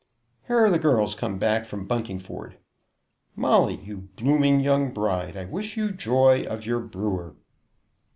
Here are the girls come back from Buntingford. Molly, you blooming young bride, I wish you joy of your brewer."